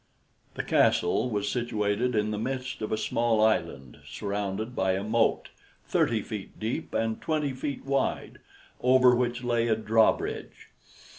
The castle was situated in the midst of a small island surrounded by a moat thirty feet deep and twenty feet wide, over which lay a drawbridge.